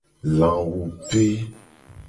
Lawupe.